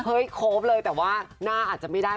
โคฟเลยแต่ว่าหน้าอาจจะไม่ได้